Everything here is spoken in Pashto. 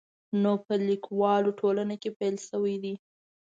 نو په لیکوالو ټولنه کې پیل شوی دی.